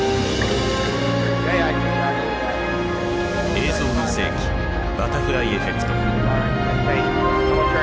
「映像の世紀バタフライエフェクト」。